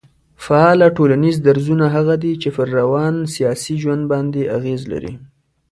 فعاله ټولنيز درځونه هغه دي چي پر روان سياسي ژوند باندي اغېز لري